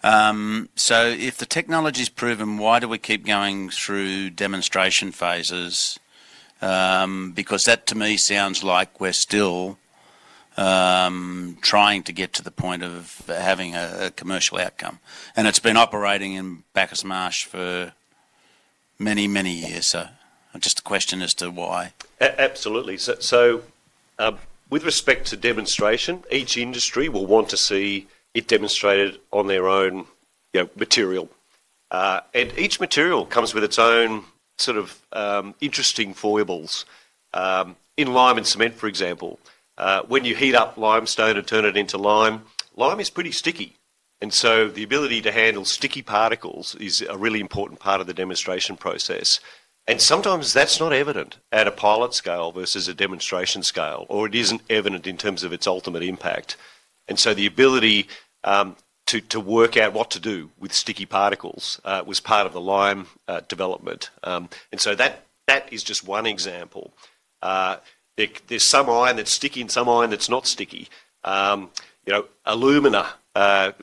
If the technology's proven, why do we keep going through demonstration phases? Because that, to me, sounds like we're still trying to get to the point of having a commercial outcome. And it's been operating in Bacchus Marsh for many, many years. Just the question as to why. Absolutely. With respect to demonstration, each industry will want to see it demonstrated on their own material. Each material comes with its own sort of interesting foibles. In lime and cement, for example, when you heat up limestone and turn it into lime, lime is pretty sticky. The ability to handle sticky particles is a really important part of the demonstration process. Sometimes that's not evident at a pilot scale versus a demonstration scale, or it isn't evident in terms of its ultimate impact. The ability to work out what to do with sticky particles was part of the lime development. That is just one example. There's some iron that's sticky, and some iron that's not sticky. Alumina,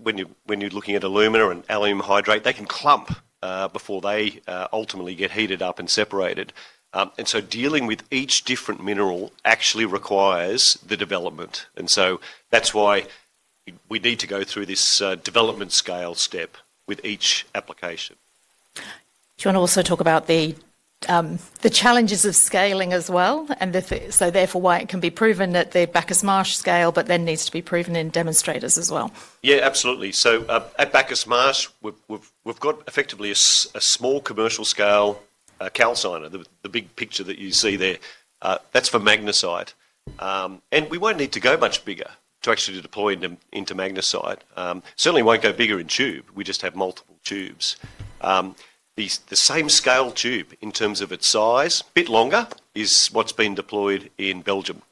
when you're looking at alumina and alum hydrate, they can clump before they ultimately get heated up and separated. Dealing with each different mineral actually requires the development. That's why we need to go through this development scale step with each application. Do you want to also talk about the challenges of scaling as well? Therefore, why it can be proven at the Bacchus Marsh scale, but then needs to be proven in demonstrators as well. Yeah, absolutely. At Bacchus Marsh, we've got effectively a small commercial scale calciner, the big picture that you see there. That's for magnesite. We won't need to go much bigger to actually deploy into magnesite. Certainly, we won't go bigger in tube. We just have multiple tubes. The same scale tube in terms of its size, a bit longer, is what's been deployed in Belgium.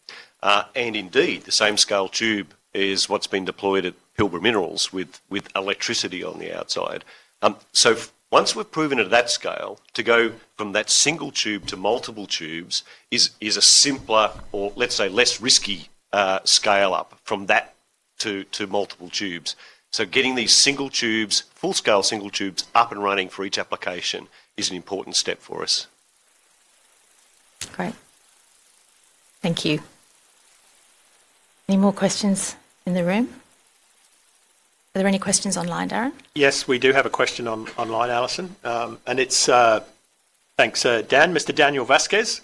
Indeed, the same scale tube is what's been deployed at Pilbara Minerals with electricity on the outside. Once we've proven it at that scale, to go from that single tube to multiple tubes is a simpler or, let's say, less risky scale up from that to multiple tubes. Getting these single tubes, full scale single tubes up and running for each application is an important step for us. Great. Thank you. Any more questions in the room? Are there any questions online, Darren? Yes, we do have a question online, Alison. Thanks, Dan. Mr. Daniel Vasquez,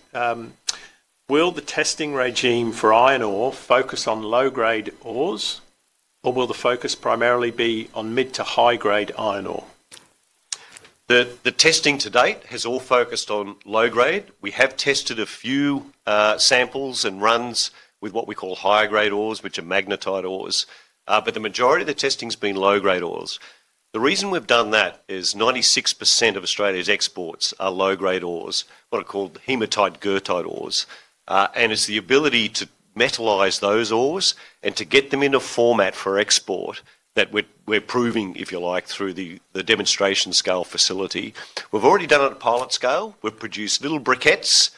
will the testing regime for iron ore focus on low-grade ores, or will the focus primarily be on mid to high-grade iron ore? The testing to date has all focused on low-grade. We have tested a few samples and runs with what we call higher-grade ores, which are magnetite ores. The majority of the testing has been low-grade ores. The reason we've done that is 96% of Australia's exports are low-grade ores, what are called hematite-goethite ores. It is the ability to metallize those ores and to get them in a format for export that we're proving, if you like, through the demonstration scale facility. We've already done it at a pilot scale. We've produced little briquettes.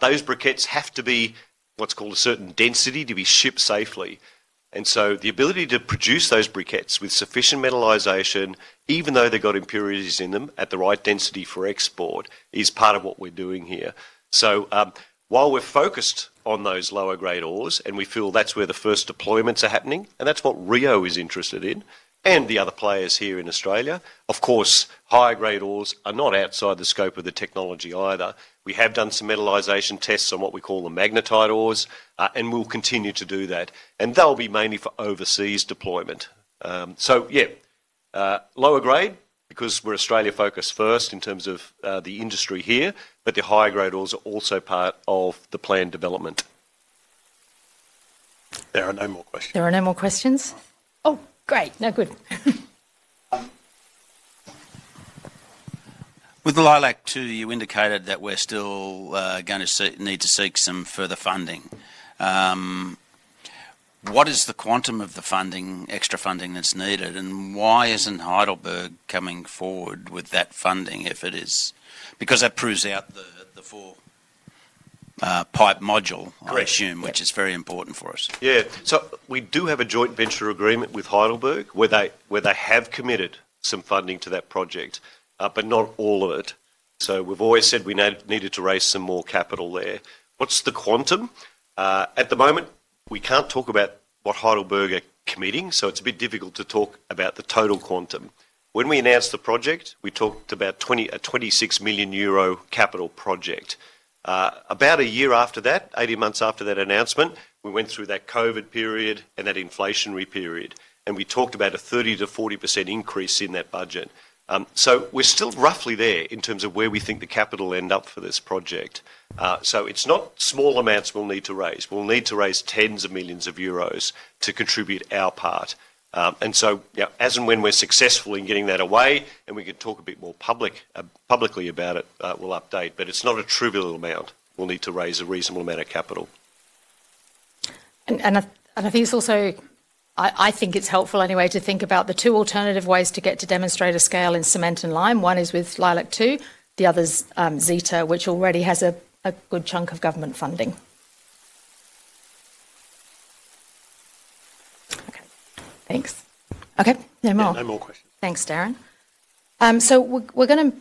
Those briquettes have to be what's called a certain density to be shipped safely. The ability to produce those briquettes with sufficient metallization, even though they've got impurities in them at the right density for export, is part of what we're doing here. While we're focused on those lower-grade ores, and we feel that's where the first deployments are happening, and that's what Rio is interested in, and the other players here in Australia, of course, higher-grade ores are not outside the scope of the technology either. We have done some metallization tests on what we call the magnetite ores, and we'll continue to do that. They'll be mainly for overseas deployment. Yeah, lower-grade because we're Australia-focused first in terms of the industry here, but the higher-grade ores are also part of the planned development. There are no more questions. Oh, great. No good. With the Leilac Two, you indicated that we're still going to need to seek some further funding. What is the quantum of the funding, extra funding that's needed, and why isn't Heidelberg coming forward with that funding if it is? Because that proves out the four-pipe module, I assume, which is very important for us. Yeah. We do have a joint venture agreement with Heidelberg where they have committed some funding to that project, but not all of it. We have always said we needed to raise some more capital there. What's the quantum? At the moment, we cannot talk about what Heidelberg are committing, so it is a bit difficult to talk about the total quantum. When we announced the project, we talked about a 26 million euro capital project. About a year after that, 18 months after that announcement, we went through that COVID period and that inflationary period, and we talked about a 30-40% increase in that budget. We are still roughly there in terms of where we think the capital will end up for this project. It is not small amounts we will need to raise. We'll need to raise tens of millions of EUR to contribute our part. As and when we're successful in getting that away, and we can talk a bit more publicly about it, we'll update. It's not a trivial amount. We'll need to raise a reasonable amount of capital. I think it's also helpful anyway to think about the two alternative ways to get to demonstrator scale in cement and lime. One is with Leilac Two. The other is Zeta, which already has a good chunk of government funding. Okay. Thanks. Okay. No more questions. Thanks, Darren. We're going to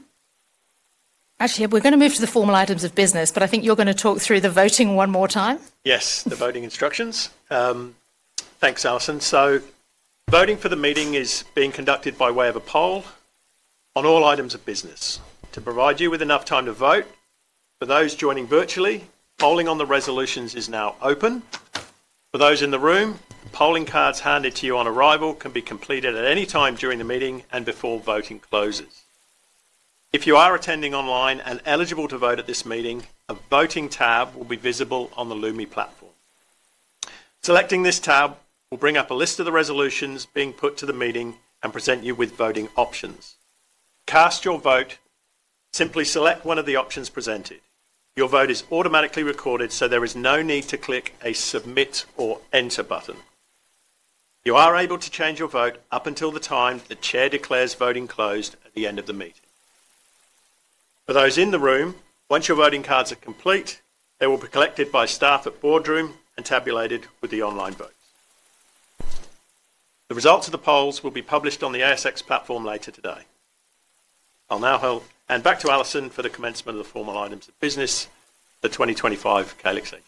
actually move to the formal items of business, but I think you're going to talk through the voting one more time. Yes, the voting instructions. Thanks, Alison. Voting for the meeting is being conducted by way of a poll on all items of business. To provide you with enough time to vote, for those joining virtually, polling on the resolutions is now open. For those in the room, polling cards handed to you on arrival can be completed at any time during the meeting and before voting closes. If you are attending online and eligible to vote at this meeting, a voting tab will be visible on the LUMI platform. Selecting this tab will bring up a list of the resolutions being put to the meeting and present you with voting options. Cast your vote. Simply select one of the options presented. Your vote is automatically recorded, so there is no need to click a submit or enter button. You are able to change your vote up until the time the Chair declares voting closed at the end of the meeting. For those in the room, once your voting cards are complete, they will be collected by staff at Boardroom and tabulated with the online votes. The results of the polls will be published on the ASX platform later today. I'll now hand back to Alison for the commencement of the formal items of business, the 2025 Calix AGM.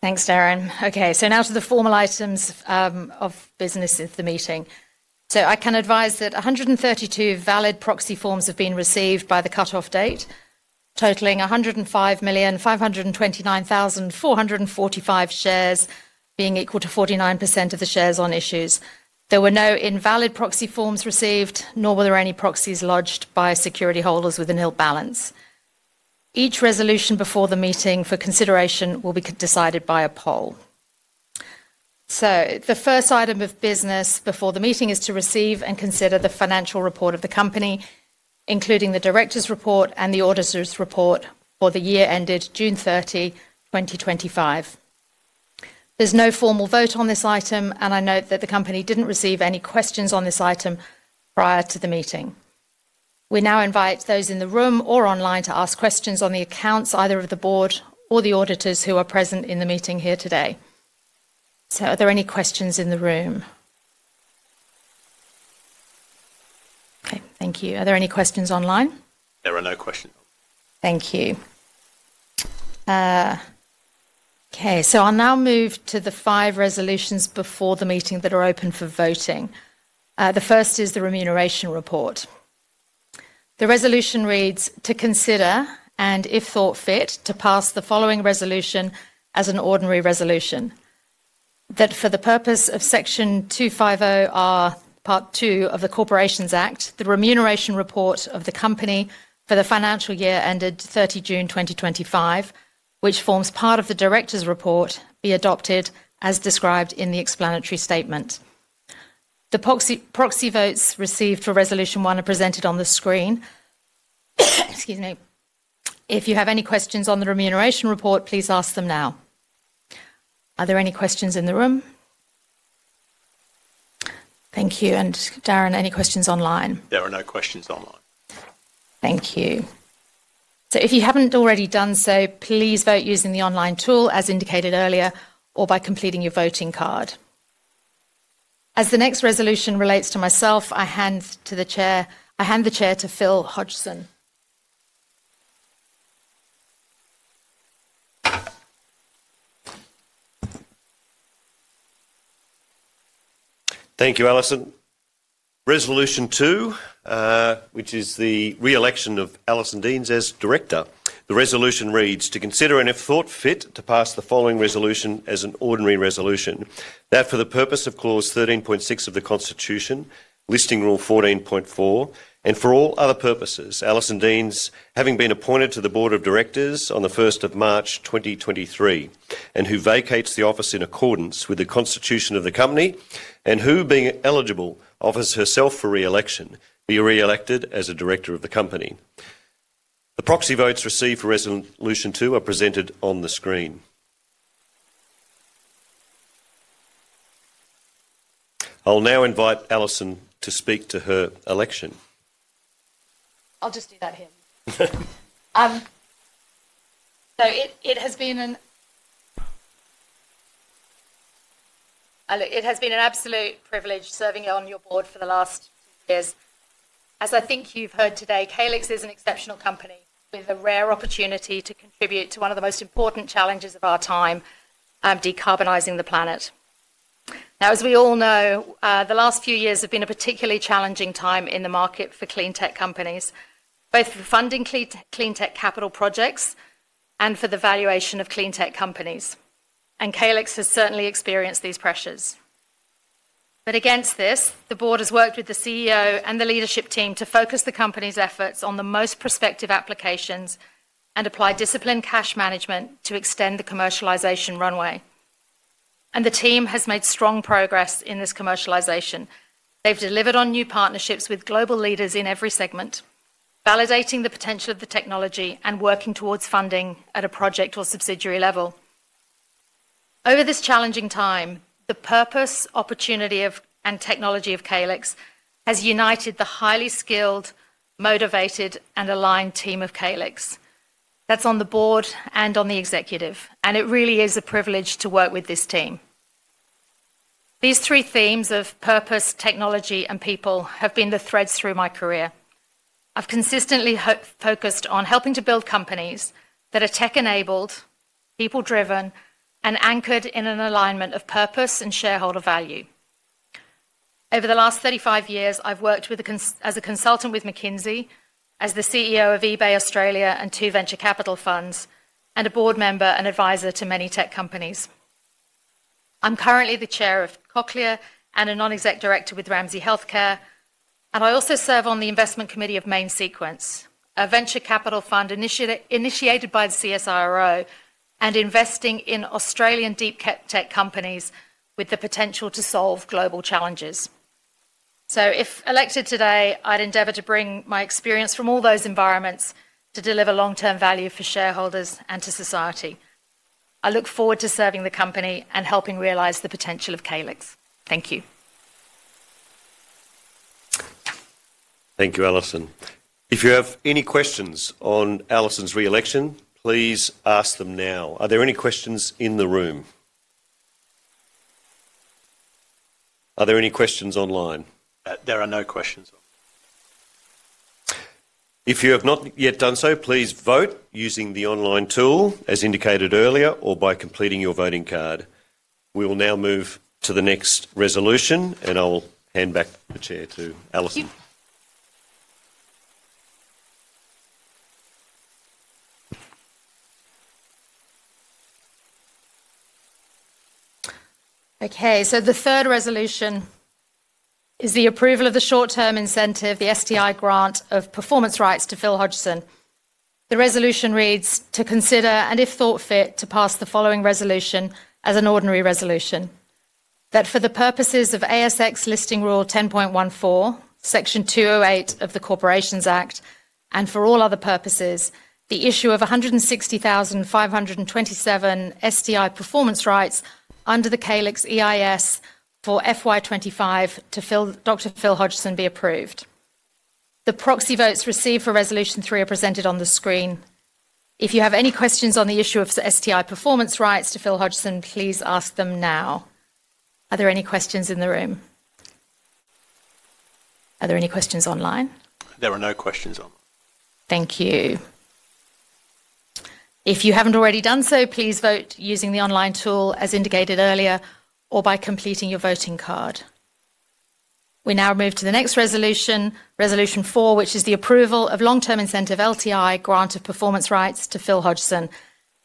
Thanks, Darren. Okay. Now to the formal items of business of the meeting. I can advise that 132 valid proxy forms have been received by the cutoff date, totaling 105,529,445 shares, being equal to 49% of the shares on issue. There were no invalid proxy forms received, nor were there any proxies lodged by security holders with a nil balance. Each resolution before the meeting for consideration will be decided by a poll. The first item of business before the meeting is to receive and consider the financial report of the company, including the director's report and the auditor's report for the year ended June 30, 2025. There's no formal vote on this item, and I note that the company didn't receive any questions on this item prior to the meeting. We now invite those in the room or online to ask questions on the accounts either of the board or the auditors who are present in the meeting here today. Are there any questions in the room? Thank you. Are there any questions online? There are no questions. Thank you. I'll now move to the five resolutions before the meeting that are open for voting. The first is the remuneration report. The resolution reads, "To consider, and if thought fit, to pass the following resolution as an ordinary resolution. That for the purpose of Section 250R, Part 2 of the Corporations Act, the remuneration report of the company for the financial year ended 30 June 2025, which forms part of the director's report, be adopted as described in the explanatory statement." The proxy votes received for resolution one are presented on the screen. Excuse me. If you have any questions on the remuneration report, please ask them now. Are there any questions in the room? Thank you. And Darren, any questions online? There are no questions online. Thank you. If you haven't already done so, please vote using the online tool as indicated earlier or by completing your voting card. As the next resolution relates to myself, I hand the chair to Phil Hodgson. Thank you, Alison. Resolution two, which is the re-election of Alison Deans as director. The resolution reads, "To consider and if thought fit, to pass the following resolution as an ordinary resolution. That for the purpose of clause 13.6 of the Constitution, Listing Rule 14.4, and for all other purposes, Alison Deans, having been appointed to the Board of Directors on the 1st of March 2023, and who vacates the office in accordance with the Constitution of the company, and who, being eligible, offers herself for re-election, be re-elected as a director of the company." The proxy votes received for resolution two are presented on the screen. I'll now invite Alison to speak to her election. I'll just do that here. It has been an absolute privilege serving on your board for the last few years. As I think you've heard today, Calix is an exceptional company with a rare opportunity to contribute to one of the most important challenges of our time, decarbonizing the planet. Now, as we all know, the last few years have been a particularly challenging time in the market for clean tech companies, both for funding clean tech capital projects and for the valuation of clean tech companies. Calix has certainly experienced these pressures. Against this, the board has worked with the CEO and the leadership team to focus the company's efforts on the most prospective applications and apply disciplined cash management to extend the commercialization runway. The team has made strong progress in this commercialization. They've delivered on new partnerships with global leaders in every segment, validating the potential of the technology and working towards funding at a project or subsidiary level. Over this challenging time, the purpose, opportunity, and technology of Calix has united the highly skilled, motivated, and aligned team of Calix. That is on the board and on the executive. It really is a privilege to work with this team. These three themes of purpose, technology, and people have been the threads through my career. I have consistently focused on helping to build companies that are tech-enabled, people-driven, and anchored in an alignment of purpose and shareholder value. Over the last 35 years, I have worked as a consultant with McKinsey, as the CEO of eBay Australia and two venture capital funds, and a board member and advisor to many tech companies. I am currently the chair of Cochlear and a non-executive director with Ramsay Health Care. I also serve on the investment committee of Main Sequence, a venture capital fund initiated by the CSIRO and investing in Australian deep tech companies with the potential to solve global challenges. If elected today, I'd endeavor to bring my experience from all those environments to deliver long-term value for shareholders and to society. I look forward to serving the company and helping realize the potential of Calix. Thank you. Thank you, Alison. If you have any questions on Alison's re-election, please ask them now. Are there any questions in the room? Are there any questions online? There are no questions. If you have not yet done so, please vote using the online tool as indicated earlier or by completing your voting card. We will now move to the next resolution, and I'll hand back the chair to Alison. Thank you. Okay. The third resolution is the approval of the short-term incentive, the STI grant of performance rights to Phil Hodgson. The resolution reads, "To consider and if thought fit, to pass the following resolution as an ordinary resolution. That for the purposes of ASX Listing Rule 10.14, Section 208 of the Corporations Act, and for all other purposes, the issue of 160,527 STI performance rights under the Calix EIS for FY 2025 to Dr. Phil Hodgson be approved." The proxy votes received for resolution three are presented on the screen. If you have any questions on the issue of STI performance rights to Phil Hodgson, please ask them now. Are there any questions in the room? Are there any questions online? There are no questions online. Thank you. If you have not already done so, please vote using the online tool as indicated earlier or by completing your voting card. We now move to the next resolution, Resolution 4, which is the approval of long-term incentive LTI grant of performance rights to Phil Hodgson.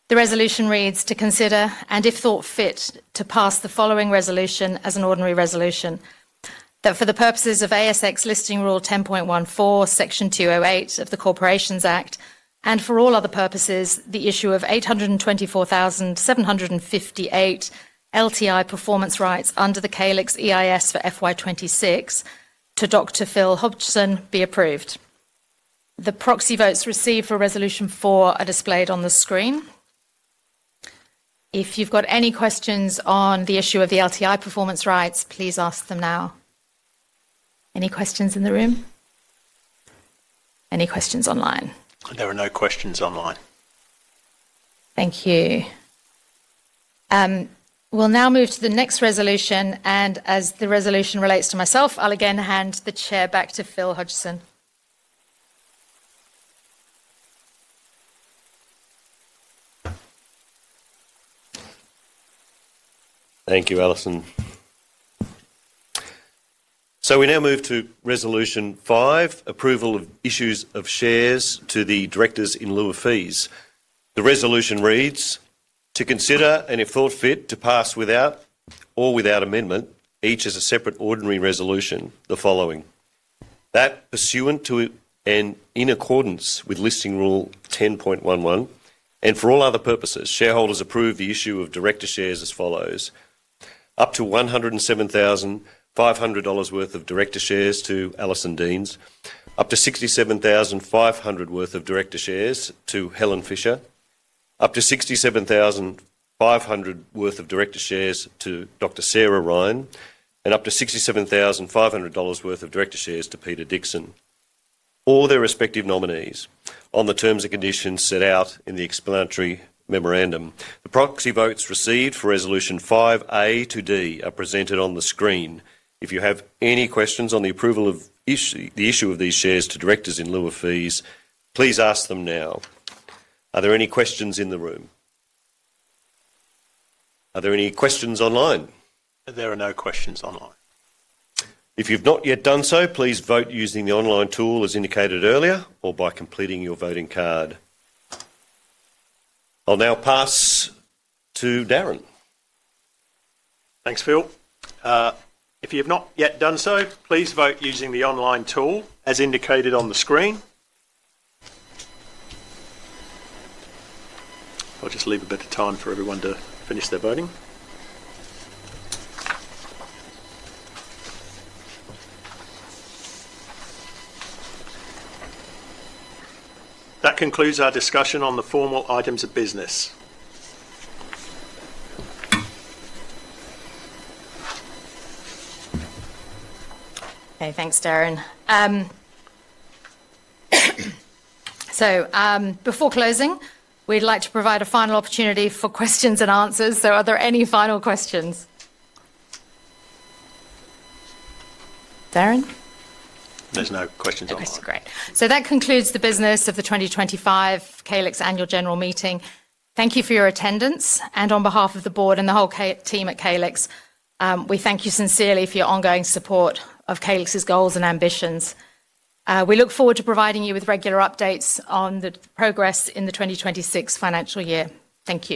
The resolution reads, "To consider and if thought fit, to pass the following resolution as an ordinary resolution. That for the purposes of ASX Listing Rule 10.14, Section 208 of the Corporations Act, and for all other purposes, the issue of 824,758 LTI performance rights under the Calix EIS for FY 2026 to Dr. Phil Hodgson be approved." The proxy votes received for Resolution 4 are displayed on the screen. If you've got any questions on the issue of the LTI performance rights, please ask them now. Any questions in the room? Any questions online? There are no questions online. Thank you. We'll now move to the next resolution. As the resolution relates to myself, I'll again hand the chair back to Phil Hodgson. Thank you, Alison. We now move to Resolution 5, Approval of Issues of Shares to the Directors in lieu of Fees. The resolution reads, "To consider and if thought fit, to pass without or without amendment, each as a separate ordinary resolution, the following: That pursuant to and in accordance with Listing Rule 10.11, and for all other purposes, shareholders approve the issue of director shares as follows: Up to AUD 107,500 worth of director shares to Alison Deans. Up to AUD 67,500 worth of director shares to Helen Fisher. Up to AUD 67,500 worth of director shares to Dr. Sarah Ryan. Up to AUD 67,500 worth of director shares to Peter Dickson. All their respective nominees on the terms and conditions set out in the explanatory memorandum. The proxy votes received for Resolution 5A to D are presented on the screen. If you have any questions on the approval of the issue of these shares to directors in lieu of fees, please ask them now. Are there any questions in the room? Are there any questions online? There are no questions online. If you've not yet done so, please vote using the online tool as indicated earlier or by completing your voting card. I'll now pass to Darren. Thanks, Phil. If you have not yet done so, please vote using the online tool as indicated on the screen. I'll just leave a bit of time for everyone to finish their voting. That concludes our discussion on the formal items of business. Okay. Thanks, Darren. Before closing, we'd like to provide a final opportunity for questions and answers. Are there any final questions? Darren? There are no questions online. Okay. Great. That concludes the business of the 2025 Calix Annual General Meeting. Thank you for your attendance. On behalf of the board and the whole team at Calix, we thank you sincerely for your ongoing support of Calix's goals and ambitions. We look forward to providing you with regular updates on the progress in the 2026 financial year. Thank you.